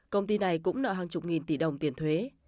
công ty này cũng nợ hàng chục nghìn tỷ đồng tiền thuế